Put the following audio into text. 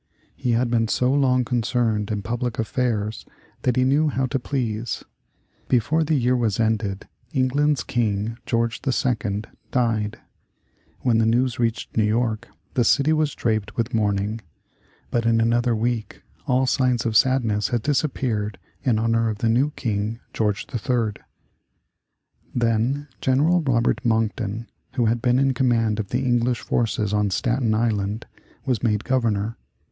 He had been so long concerned in public affairs that he knew how to please. Before the year was ended England's King, George II., died. When the news reached New York, the city was draped with mourning. But in another week all signs of sadness had disappeared in honor of the new King, George III. Then General Robert Monckton, who had been in command of the English forces on Staten Island, was made Governor.